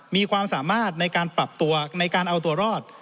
มีความสามารถในการปรับตัวในการเอาตัวรอด